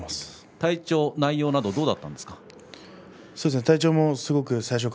体調や内容などはどうだったんですか。